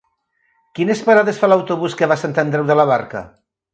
Quines parades fa l'autobús que va a Sant Andreu de la Barca?